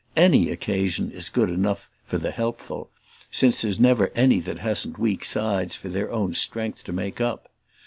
ANY occasion is good enough for the helpful; since there's never any that hasn't weak sides for their own strength to make up.